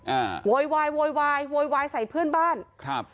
โวยวายโวยวายโวยวายใส่เพื่อนบ้านครับ